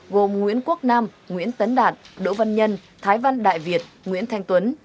gồm nguyễn quốc nam nguyễn tấn đạt đỗ văn nhân thái văn đại việt nguyễn thanh tuấn